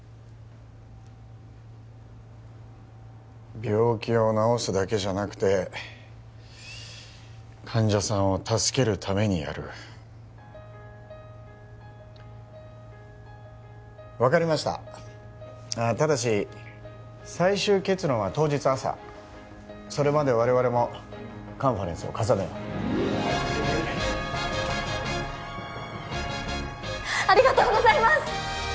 病気を治すだけじゃなくて患者さんを助けるためにやる分かりましたああただし最終結論は当日朝それまで我々もカンファレンスを重ねようはいありがとうございます！